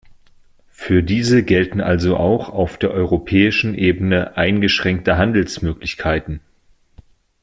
Für diese gelten also auch auf der europäischen Ebene eingeschränkte Handelsmöglichkeiten.